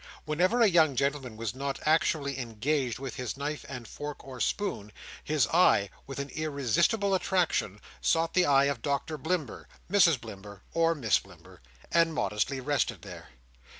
Whenever a young gentleman was not actually engaged with his knife and fork or spoon, his eye, with an irresistible attraction, sought the eye of Doctor Blimber, Mrs Blimber, or Miss Blimber, and modestly rested there.